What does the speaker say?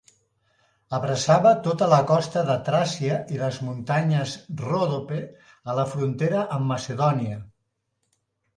Abraçava tota la costa de Tràcia i les muntanyes Ròdope a la frontera amb Macedònia.